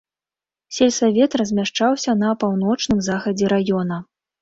Сельсавет размяшчаўся на паўночным захадзе раёна.